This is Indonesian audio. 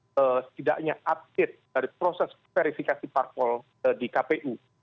setidaknya update dari proses verifikasi parpol di kpu